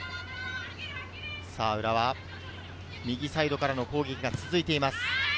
浦和は右サイドからの攻撃が続いています。